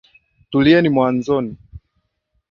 Tulieni mwamnzo.